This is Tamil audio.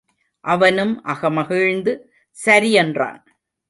அவனும் அகமகிழ்ந்து சரி என்றான்.